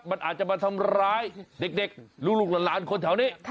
มันอาจจะมาทำร้ายเด็กลูกหลานคนแถวนี้